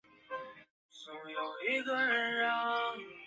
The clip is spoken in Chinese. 各地文旅部门要强化旅游行业防火防汛措施